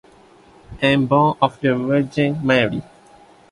and born of the Virgin Mary.